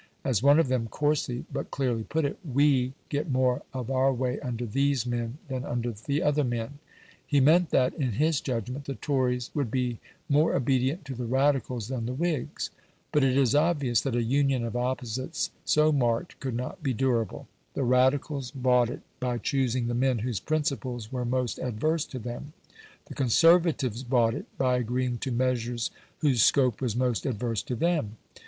As one of them coarsely but clearly put it, "WE get more of our way under these men than under the other men"; he meant that, in his judgment, the Tories would be more obedient to the Radicals than the Whigs. But it is obvious that a union of opposites so marked could not be durable. The Radicals bought it by choosing the men whose principles were most adverse to them; the Conservatives bought it by agreeing to measures whose scope was most adverse to them.